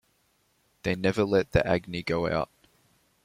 They never let the agni go out.